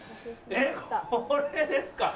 これですか。